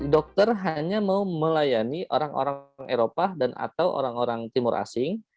dokter hanya mau melayani orang orang eropa dan atau orang orang timur asing